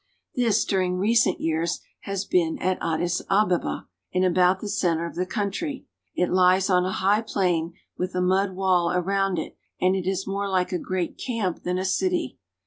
This, during recent years, has been at Adis Abeba (a'dls a ba'ba), in about the center of the country. It lies on a high plain with a mud wall around it, and it is more like a great camp than a city.